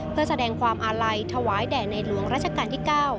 เพื่อแสดงความอาลัยถวายแด่ในหลวงราชการที่๙